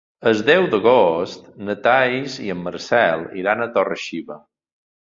El deu d'agost na Thaís i en Marcel iran a Torre-xiva.